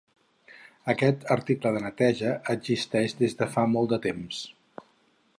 Aquest article de neteja existeix des de fa molt de temps.